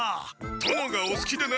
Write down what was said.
殿がおすきでな。